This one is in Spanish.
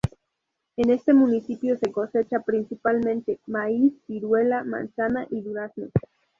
En este municipio se cosecha principalmente maíz, ciruela, manzana y durazno.